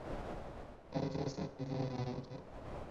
路环图书馆网站